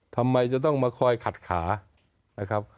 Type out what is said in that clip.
ทำไมจะต้องมาคอยขัดขา